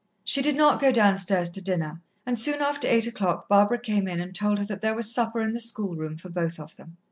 She did not go downstairs to dinner, and soon after eight o'clock Barbara came in and told her that there was supper in the schoolroom for both of them.